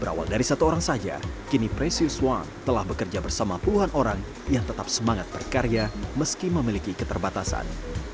berawal dari satu orang saja kini presius wang telah bekerja bersama puluhan orang yang tetap semangat berkarya meski memiliki keterbatasan